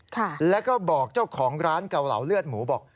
ค่ะแล้วก็บอกเจ้าของร้านเกาเหลาเลือดหมูบอก